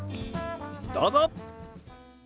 どうぞ。